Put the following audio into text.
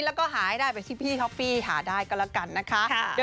แล้วก็หาให้ได้แบบที่พี่ท็อฟฟี่หาได้ก็แล้วกันนะคะ